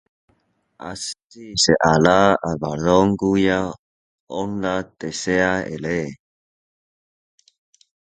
Así se hará al varón cuya honra desea el rey.